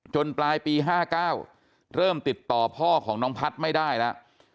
ปลายปี๕๙เริ่มติดต่อพ่อของน้องพัฒน์ไม่ได้แล้ว